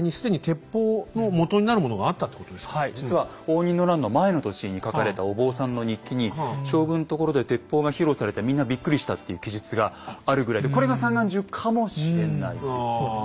実は応仁の乱の前の年に書かれたお坊さんの日記に「将軍のところで鉄砲が披露されてみんなびっくりした」っていう記述があるぐらいでこれが三眼銃かもしれないですよね。